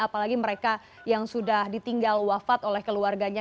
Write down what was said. apalagi mereka yang sudah ditinggal wafat oleh keluarganya